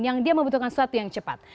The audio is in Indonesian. yang dia membutuhkan satu yang cepat